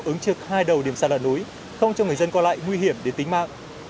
ứng trực hai đầu điểm sạt lở núi không cho người dân qua lại nguy hiểm đến tính mạng